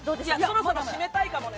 そろそろ締めたいかもね。